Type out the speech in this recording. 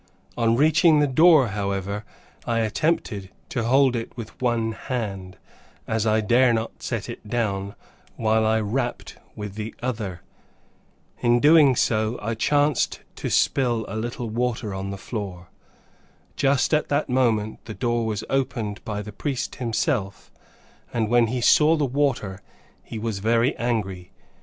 On reaching the door, however, I attempted to hold it with one hand (as I dare not set it down), while I rapped with the other. In so doing I chanced to spill a little water on the floor. Just at that moment the door was opened by the priest himself, and when he saw the water he was very angry.